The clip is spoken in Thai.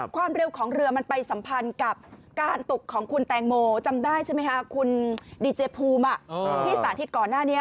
ความเร็วของเรือมันไปสัมพันธ์กับการตกของคุณแตงโมจำได้ใช่ไหมคะคุณดีเจภูมิที่สาธิตก่อนหน้านี้